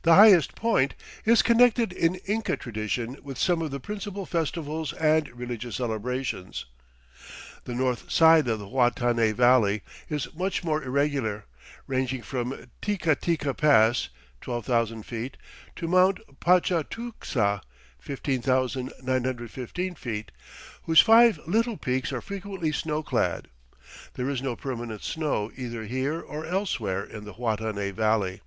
the highest point, is connected in Inca tradition with some of the principal festivals and religious celebrations. The north side of the Huatanay Valley is much more irregular, ranging from Ttica Ttica pass (12,000 ft.) to Mt. Pachatucsa (15,915 ft.), whose five little peaks are frequently snow clad. There is no permanent snow either here or elsewhere in the Huatanay Valley.